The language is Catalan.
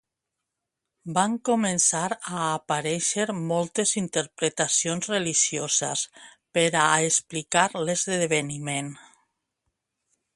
Van començar a aparèixer moltes interpretacions religioses per a explicar l'esdeveniment.